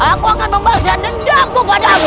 aku akan membalas dendamku padamu